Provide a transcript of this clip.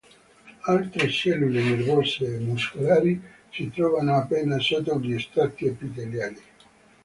Altre cellule nervose e muscolari si trovano appena sotto gli strati epiteliali.